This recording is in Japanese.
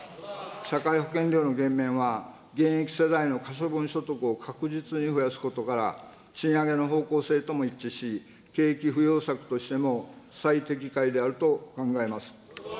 社会保険料の減免は、現役世代の可処分所得を確実に増やすことから、賃上げの方向性とも一致し、景気浮揚策としても最適解であると考えます。